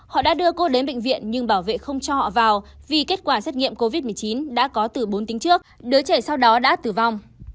họ đã đưa cô đến bệnh viện nhưng bảo vệ không cho họ vào vì kết quả xét nghiệm covid một mươi chín đã có từ bốn tính trước đứa trẻ sau đó đã tử vong